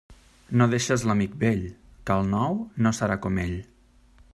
No deixes l'amic vell, que el nou no serà com ell.